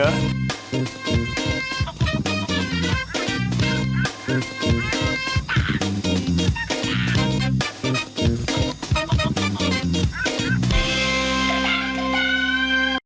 โปรดติดตามตอนต่อไป